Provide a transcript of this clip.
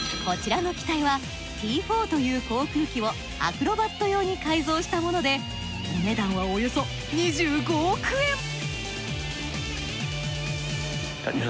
こちらの機体はＴ４という航空機をアクロバット用に改造したものでお値段はおよそ２５億円。